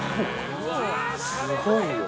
すごいよ。